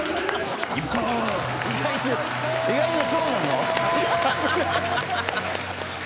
意外とそうなの⁉危ない。